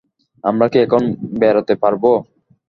আমরা কি এখন বেরাতে পারবো?